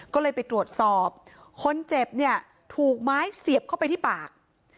ก็เลยไปตรวจสอบคนเจ็บเนี่ยถูกไม้เสียบเข้าไปที่ปาก